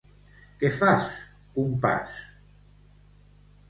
Què fas, compàs?